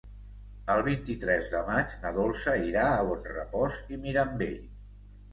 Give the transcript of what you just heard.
El vint-i-tres de maig na Dolça irà a Bonrepòs i Mirambell.